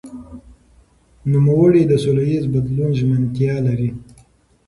نوموړي د سولهییز بدلون ژمنتیا لري.